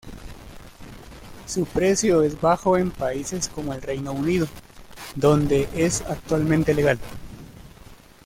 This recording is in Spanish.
Su precio es bajo en países como el Reino Unido, donde es actualmente legal.